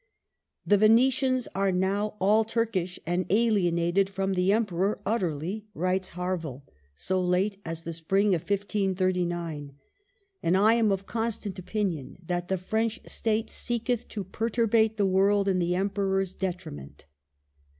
'* The Venetians are nowe al Turkiche and alienated from th' Emperour utterly," writes Harvel, so late as the spring of 1539 ;" and I am of constant opinion that the French State seketh to perturbate the world in th' Emperour's detri ment."